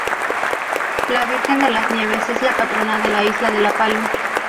La Virgen de las Nieves es la patrona de la isla de La Palma.